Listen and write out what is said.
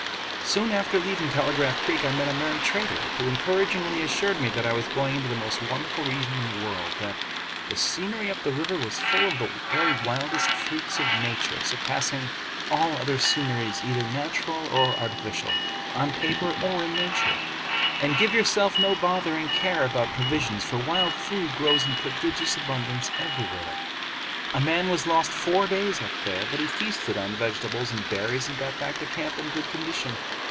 Soon after leaving Telegraph Creek I met a merry trader who encouragingly assured me that I was going into the most wonderful region in the world, that "the scenery up the river was full of the very wildest freaks of nature, surpassing all other sceneries either natural or artificial, on paper or in nature. And give yourself no bothering care about provisions, for wild food grows in prodigious abundance everywhere. A man was lost four days up there, but he feasted on vegetables and berries and got back to camp in good condition.